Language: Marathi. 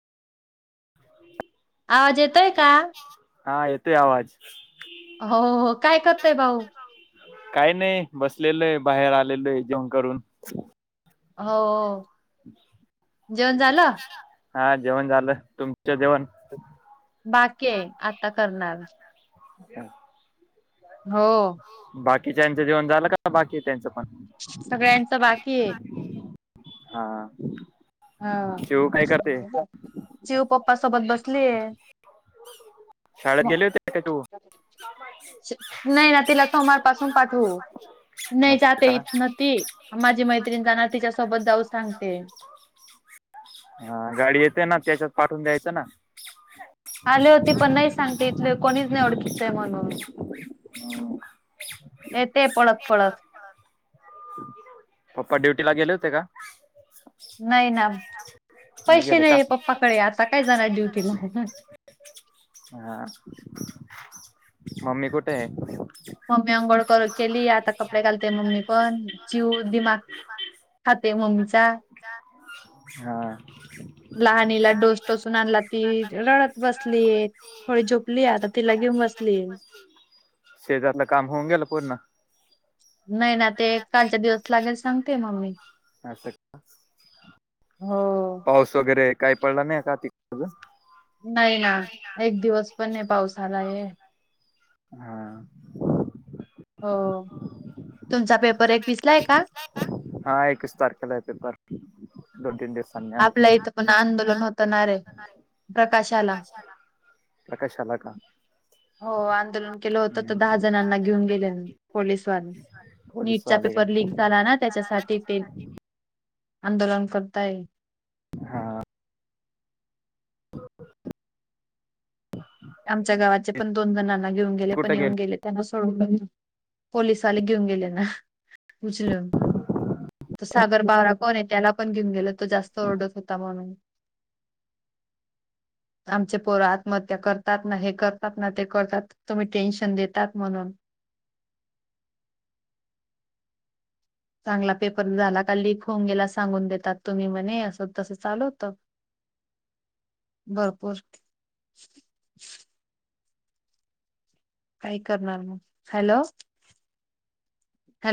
[unintelligible] आवाज येतोय का? हा येतोय आवाज. हो हो काय करतय भाऊ? काय नाही बसलेलय बाहेर आलेलो आहे जेवण करून. हो जेवण झालं. हा जेवण झालं तुमच जेवण. बाकी आहे आता करणार. रिकामा ऑडिओ हो. बाकीच्याचं जेवन झालं का बाकी त्यांच. सगळ्यांचं बाकी आहे. हा. हा शिव काय करते शिव पप्पा सोबत बसलीय. शाळेत गेले होते का तू [unintelligible] सोमार पाासून पाठव नाही असं जात का इथ ना ती माझी मैत्रीणणार तिच्यासोबत जाऊ सांगते. रिकामा ऑडिओ हा गाडी येतेय ना त्याच्यात पाठवून द्यायचं ना. [inaudible] आली होती पण नाही सांगते इथले कोणीच नाही ओळखीचंय म्हणून. ये ते पळत पळत. पप्पा ड्युटी ला गेले होते का? नाही ना. पैसे गेले का नाही पप्पाकडे आता काय जाणार ड्युटीला? हा मम्मी कुठे आहे? मम्मी अंघोळ कर केली आता कपडे घालते मम्मी पण जीव दिमाग ह ते म रिकामा [unintelligible] ऑडिओ लहानीला डोस टोसून आणला ती रडत बसली थोडी झोपली आता तिला घेऊ शजातलं काम होऊन गेला पूर्ण. नाही ना ते कालच्या दिवस लागेल सांगते मम्मी. असचं. हो पाऊस वगैरे काही पडला नाही का त नाही ना एक दिवस पण नाही पाऊस आलाय. हं. हो तुमचा पेपर एकवीसला आहे का [unintelligible] आपल्या इथं पण आंदोलन होतणार आहे प्रकाशाला. अला का? हो आंदोलन केलं होतं तर हम्म दहा जणांना घेऊन गेले पोलीसवाले. पोलीस नीटचा आले का पेपर लीक झाला ना त्याच्यासाठी ते आंदोलन करताय. हा. रिकामा ऑडिओ आमच्या गावाचे पण दोन जणांना घेऊन गेले पण कुठे गे येऊन गेले त्यांना. थोड पोलिसाले घेऊन गेले ना. उचल सागर बावरा कोण आहे त्याला पण घेऊन गेल. तो जास्त ओरडत होता म्हणून. आमचे पोर आत्महत्या कर त ना हे करतात ना ते करतात, तुम्ही टेन्शन देतात म्हणून. [inaudible] चांगला पेपर झाला लीक होऊन गेला सांगून देतात तुम्ही म्हणे असं तसं चालू होत. भरपूर. काय करणार मग हॅलो.